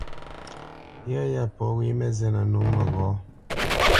Yɔ́ yá pɔ̂ wé mǝ́ zínǝ́ nǒ məghɔ̌.